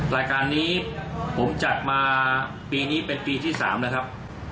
รายการนี้ผมจัดมาปีนี้เป็นปีที่๓แล้วครับ